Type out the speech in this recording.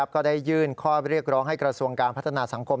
ก็ได้ยื่นข้อเรียกร้องให้กระทรวงการพัฒนาสังคม